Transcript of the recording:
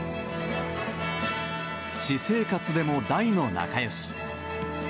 私生活でも、大の仲良し。